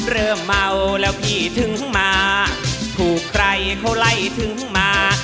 เริ่มเมาแล้วพี่ถึงมาถูกใครเขาไล่ถึงมา